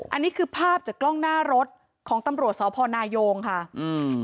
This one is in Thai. อันนี้คือภาพจากกล้องหน้ารถของตำรวจสพนายงค่ะอืม